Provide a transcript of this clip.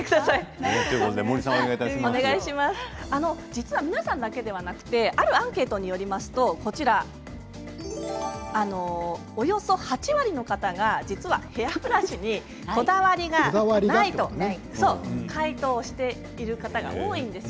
実は皆さんだけではなくてアンケートによりますとおよそ８割の方が、実はヘアブラシにこだわりがないと回答しているんです。